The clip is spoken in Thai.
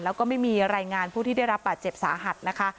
แล้วก็ไม่มีรายงานผู้ที่ได้รับบาดเจ็บสาหัสนะคะ